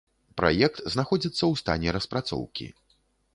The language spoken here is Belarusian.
Праект знаходзіцца ў стане распрацоўкі.